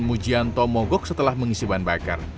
mujianto mogok setelah mengisi bahan bakar